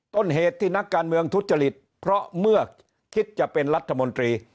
ต้นเหตุที่นักการเมืองทุจริตเพราะเมื่อคิดจะเป็นรัฐมนตรี